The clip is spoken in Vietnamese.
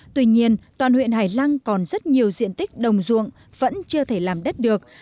tuy nhiên toàn huyện hải lăng còn rất nhiều diện tích đồng ruộng vẫn chưa thể làm đất được